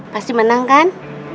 pasti menang kan